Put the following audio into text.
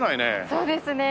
そうですね。